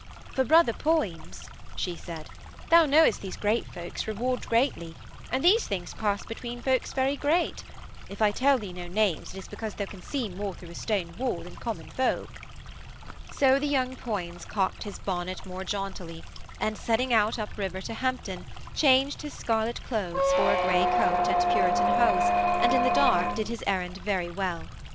'For, brother Poins,' she said, 'thou knowest these great folks reward greatly and these things pass between folks very great. If I tell thee no names it is because thou canst see more through a stone wall than common folk.' So the young Poins cocked his bonnet more jauntily, and, setting out up river to Hampton, changed his scarlet clothes for a grey coat and puritan hose, and in the dark did his errand very well.